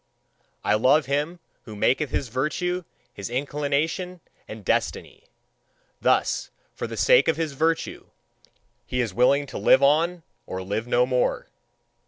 I love him who maketh his virtue his inclination and destiny: thus, for the sake of his virtue, he is willing to live on, or live no more.